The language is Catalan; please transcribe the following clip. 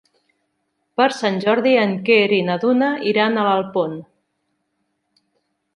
Per Sant Jordi en Quer i na Duna iran a Alpont.